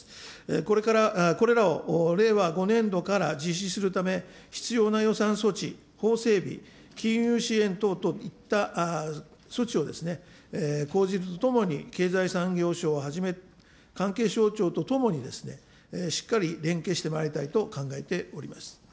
これから、これらを令和５年度から実施するため、必要な予算措置、法整備、金融支援等といった措置を講じるとともに、経済産業省をはじめ、関係省庁とともにですね、しっかり連携してまいりたいと考えております。